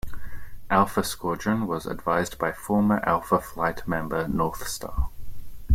Alpha Squadron was advised by former Alpha Flight member, Northstar.